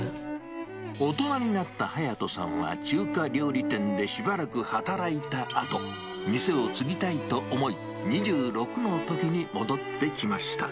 大人になった隼人さんは中華料理店でしばらく働いたあと、店を継ぎたいと思い、２６のときに戻ってきました。